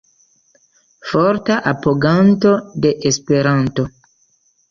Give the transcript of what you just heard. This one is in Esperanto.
Forta apoganto de Esperanto.